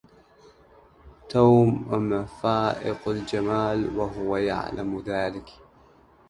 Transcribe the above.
توم فائق الجمال وهو يعلم ذلك.